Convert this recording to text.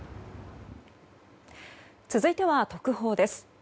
続いては特報です。